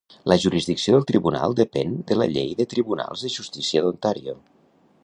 El jurisdicció del tribunal depèn de la Llei de Tribunals de Justícia d'Ontario.